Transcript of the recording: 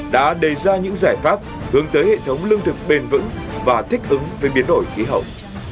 đã đề ra những giải pháp hướng tới hệ thống lương thực bền vững và thích ứng với biến đổi khí hậu